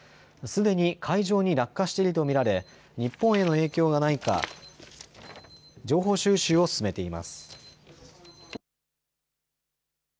すでに海上に落下していると見られ日本への影響がないか情報収集を進めています。